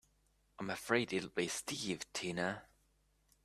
I'm afraid it'll be Steve Tina.